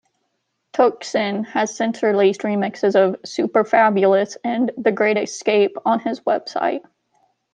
Toksin has since released remixes of "Superfabulous" and "The Great Escape" on his website.